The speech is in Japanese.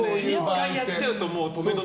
１回やっちゃうとね。